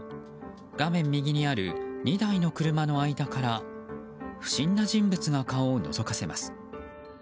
画面右にある２台の車の間から不審な人物が顔をのぞかせます。